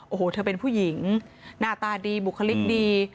โอ้โหเธอเป็นผู้หญิงหน้าตาดีบุคลิกดี